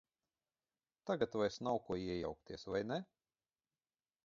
Tagad vairs nav ko iejaukties, vai ne?